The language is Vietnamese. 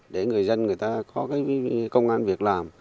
để người dân có công an việc làm